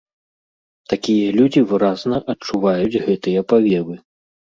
Такія людзі выразна адчуваюць гэтыя павевы.